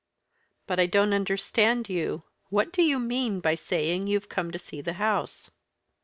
"But I don't understand you. What do you mean by saying you've come to see the house?"